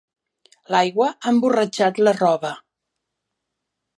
L'aigua ha emborratxat la roba.